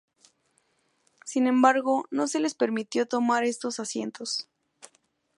Sin embargo, no se les permitió tomar estos asientos.